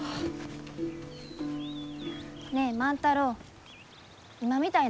ねえ万太郎今みたいながやめや。